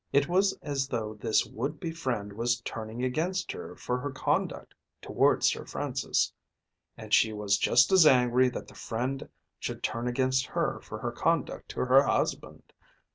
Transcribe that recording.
It was as though this would be friend was turning against her for her conduct towards Sir Francis. And she was just as angry that the friend should turn against her for her conduct to her husband.